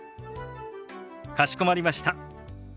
かしこまりました。